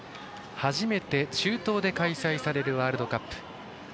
初めて中東で開催されるワールドカップ。